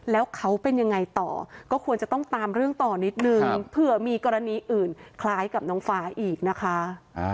แล้วเขาเป็นยังไงต่อก็ควรจะต้องตามเรื่องต่อนิดนึงเผื่อมีกรณีอื่นคล้ายกับน้องฟ้าอีกนะคะ